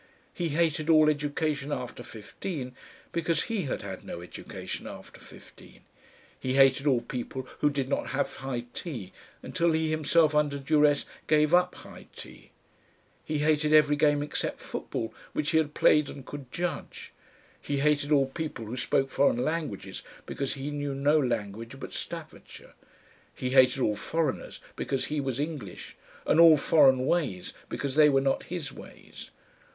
He hated all education after fifteen because he had had no education after fifteen, he hated all people who did not have high tea until he himself under duress gave up high tea, he hated every game except football, which he had played and could judge, he hated all people who spoke foreign languages because he knew no language but Staffordshire, he hated all foreigners because he was English, and all foreign ways because they were not his ways.